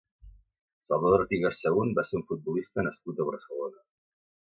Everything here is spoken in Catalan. Salvador Artigas Sahún va ser un futbolista nascut a Barcelona.